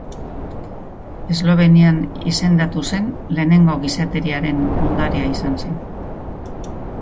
Eslovenian izendatu zen lehenengo Gizateriaren Ondarea izan zen.